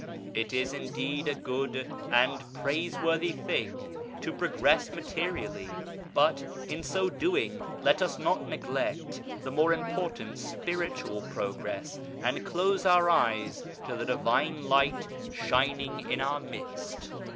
It is indeed a good and praiseworthy thing to progress materially, but, in so doing, let us not neglect the more important Spiritual progress, and close our eyes to the Divine Light shining in our midst.